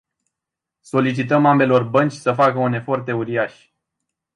Solicităm ambelor bănci să facă un efort uriaș.